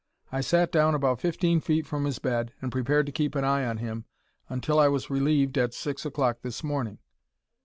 I sat down about fifteen feet from his bed and prepared to keep an eye on him until I was relieved at six o'clock this morning.